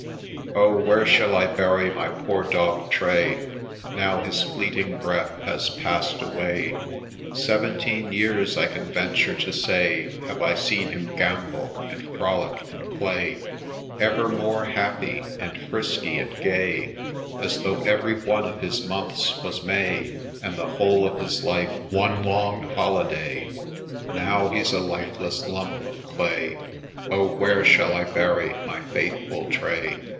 OH I where shall I bury my poor dog Tray, Now his fleeting breath has passed away ?— Seventeen years, I can venture to say, Have I seen him gambol, and frolic, and play, Evermore happy, and frisky, and gay, As though every one of his months was May, And the whole of his life one long holiday — Now he 's a lifeless lump of clay, Oh ! where shall I bury my faithful Tray